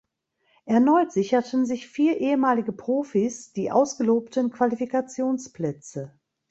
Erneut sicherten sich vier ehemalige Profis die ausgelobten Qualifikationsplätze.